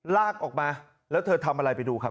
ลากออกมาแล้วเธอทำอะไรไปดูครับ